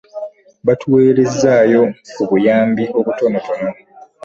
Baatuweerezaayo ku buyambi obutonotono.